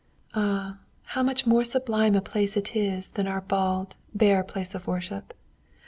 Ah! how much more sublime a place it is than our bald, bare place of worship.